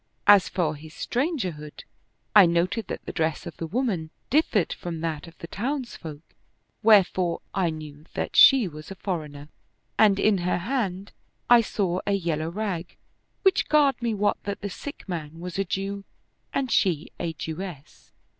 As for his strangerhood, I noted that the dress of the woman differed from that of the townsfolk, wherefore I knew that she was a foreigner ; and in her hand I saw a yellow rag, which garred me wot that the sick man was a Jew and she a Jewess.